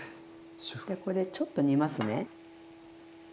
じゃこれでちょっと煮ますね。